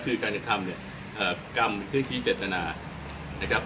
คือการกระทำเนี่ยกรรมเครื่องชี้เจตนานะครับ